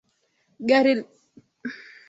Gari limejaa matunda yetu